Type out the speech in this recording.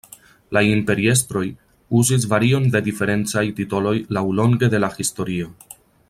La imperiestroj uzis varion de diferencaj titoloj laŭlonge de la historio.